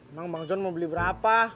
emang bang john mau beli berapa